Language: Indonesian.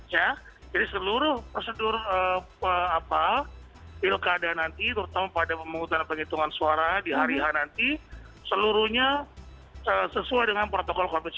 jadi seluruh prosedur ilka ada nanti terutama pada penghutang suara di hari h nanti seluruhnya sesuai dengan protokol covid sembilan belas